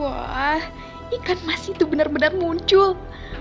wah ikan mas itu bener bener muncul